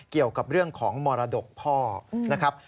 เกี่ยวกับเรื่องของมรดกพ่อนะครับ